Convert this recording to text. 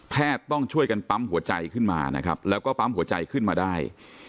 ต้องช่วยกันปั๊มหัวใจขึ้นมานะครับแล้วก็ปั๊มหัวใจขึ้นมาได้